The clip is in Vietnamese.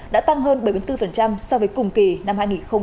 đã tăng hơn bảy mươi bốn so với cùng kỳ năm hai nghìn hai mươi